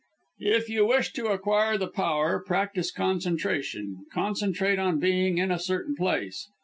If you wish to acquire the power, practise concentration concentrate on being in a certain place.